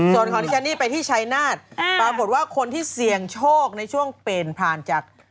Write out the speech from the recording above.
ส่วนของที่ฉันนี่ไปที่ชัยนาศปรากฏว่าคนที่เสี่ยงโชคในช่วงเปลี่ยนผ่านจาก